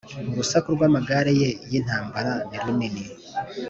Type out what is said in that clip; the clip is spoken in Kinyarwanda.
urusaku rw amagare ye y intambara nirunini